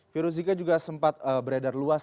virus zika juga sempat beredar luas